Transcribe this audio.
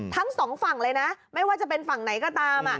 ทั้งสองฝั่งเลยนะไม่ว่าจะเป็นฝั่งไหนก็ตาม